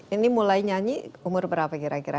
ini mulai nyanyi umur berapa kira kira